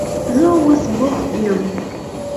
زه اوس بوخت یم.